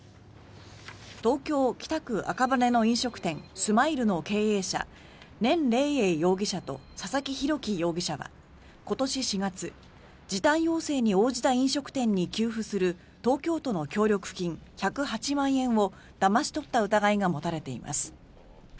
東京・北区赤羽の飲食店ＳＭＩＬＥの経営者ネン・レイエイ容疑者と佐々木浩紀容疑者は今年４月、時短要請に応じた飲食店に給付する東京都の協力金１０８万円をだまし取った疑いが持たれています。